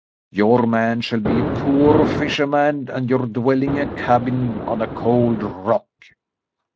Your man shall be a poor fisherman and your dwelling a cabin on a cold rock."